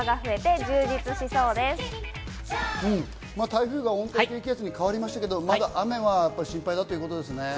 台風が温帯低気圧に変わりましたけど、まだ雨は心配ですね。